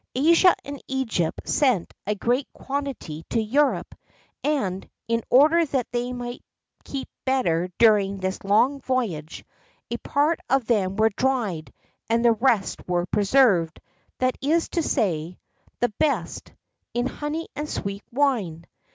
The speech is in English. Asia and Egypt sent a great quantity to Europe; and, in order that they might keep better during this long voyage, a part of them were dried, and the rest were preserved that is to say, the best in honey and sweet wine.